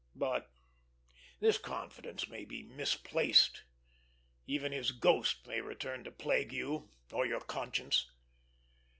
But this confidence may be misplaced; even his ghost may return to plague you, or your conscience.